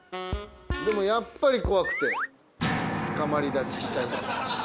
でもやっぱり怖くてつかまり立ちしちゃいます。